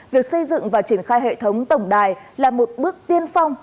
việc xây dựng và triển khai hệ thống tổng đài là một bước tiên phong